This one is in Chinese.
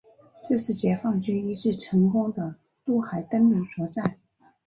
这是解放军一次成功的渡海登陆作战。